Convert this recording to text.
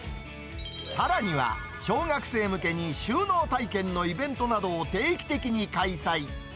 さらには、小学生向けに就農体験のイベントなどを定期的に開催。